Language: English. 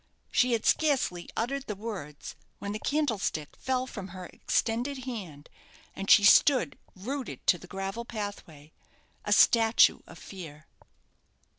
She had scarcely uttered the words when the candlestick fell from her extended hand, and she stood rooted to the gravel pathway a statue of fear.